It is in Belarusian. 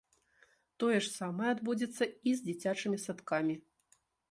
Тое ж самае адбудзецца і з дзіцячымі садкамі.